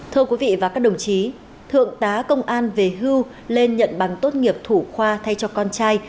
thưa quý vị và các đồng chí thượng tá công an về hưu lên nhận bằng tốt nghiệp thủ khoa thay cho con trai